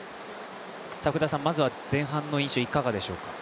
まずは前半の印象いかがでしょうか？